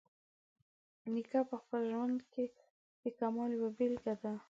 نیکه په خپل ژوند کې د کمال یوه بیلګه ده.